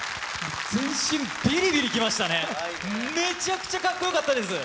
全身ビリビリきましたね、めちゃくちゃかっこよかったです。